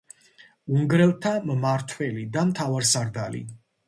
უნგრელთა მმართველი და მთავარსარდალი.